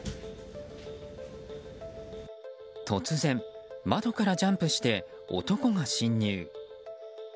突然、窓からジャンプして男が侵入。